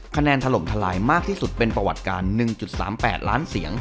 ถล่มทลายมากที่สุดเป็นประวัติการ๑๓๘ล้านเสียง